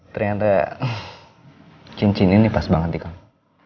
ternyata cincin ini pas banget di kang